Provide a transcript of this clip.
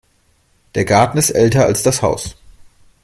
Der Garten ist älter als das Haus.